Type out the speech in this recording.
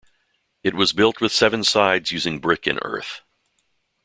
It was built with seven sides using brick and earth.